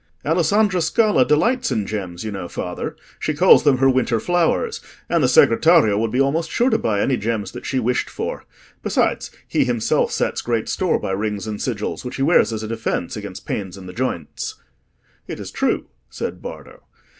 "Alessandra Scala delights in gems, you know, father; she calls them her winter flowers; and the Segretario would be almost sure to buy any gems that she wished for. Besides, he himself sets great store by rings and sigils, which he wears as a defence against pains in the joints." "It is true," said Bardo.